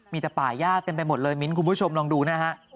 มีแต่ป่าย่าเต็มไปหมดเลยมิ้นคุณผู้ชมลองดูนะฮะ